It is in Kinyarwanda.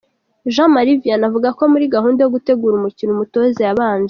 Jean Marie Vianney avuga ko muri gahunda yo gutegura umukino umutoza yabanje